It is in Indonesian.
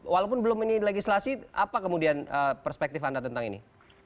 walaupun belum ini legislasi apa kemudian perspektif anda tentang ini